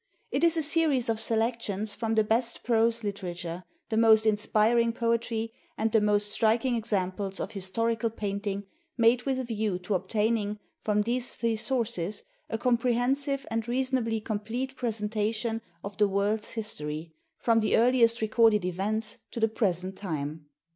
It is a series of selections from the best prose literature, the most inspiring poetry, and the most striking examples of historical painting, made with a view to obtaining, from these three sources, a compre hensive and reasonably complete presentation of the world's history, from the earliest recorded events to the present time.